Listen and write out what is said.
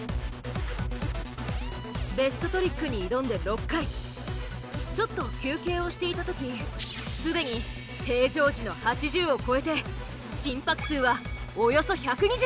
ベストトリックに挑んで６回ちょっと休憩をしていた時既に平常時の８０を超えて心拍数はおよそ１２０。